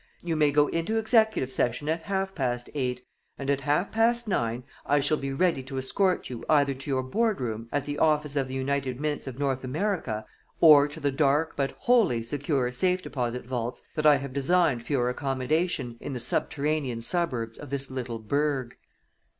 You may go into executive session at half past eight, and at half past nine I shall be ready to escort you either to your board room at the office of the United Mints of North America, or to the dark but wholly secure safe deposit vaults that I have designed for your accommodation in the subterranean suburbs of this little burg."